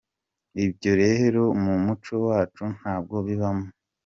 Ibyo rero mu muco wacu ntabwo bibamo.